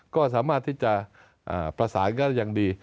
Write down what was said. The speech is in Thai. ก็สามารถที่จะประสานก็ได้อย่างดี